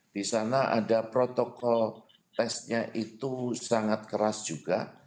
di sana ada protokol tesnya itu sangat keras juga